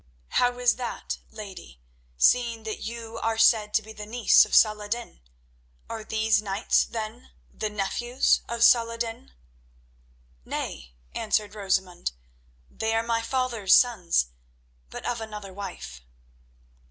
"How is that, lady, seeing that you are said to be the niece of Salah ed din? Are these knights, then, the nephews of Salah ed din?" "Nay," answered Rosamund, "they are my father's sons, but of another wife."